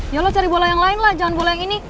ya lo cari bola yang lain lah jangan bola yang ini